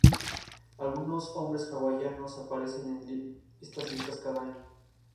Algunos nombres hawaianos aparecen en estas listas cada año.